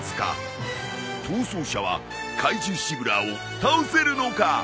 逃走者は怪獣シブラーを倒せるのか！？